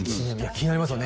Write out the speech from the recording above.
気になりますよね